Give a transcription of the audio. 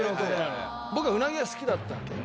僕はうなぎが好きだったわけ。